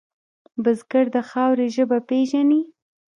بزګر د خاورې ژبه پېژني